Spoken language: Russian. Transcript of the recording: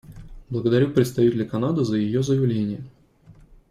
Благодарю представителя Канады за ее заявление.